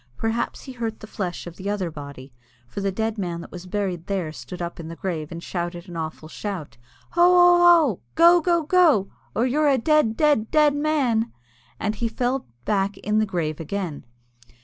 Perhaps he hurt the flesh of the other body, for the dead man that was buried there stood up in the grave, and shouted an awful shout. "Hoo! hoo!! hoo!!! Go! go!! go!!! or you're a dead, dead, dead man!" And then he fell back in the grave again.